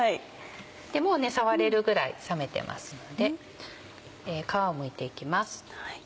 もう触れるぐらい冷めてますので皮をむいていきます。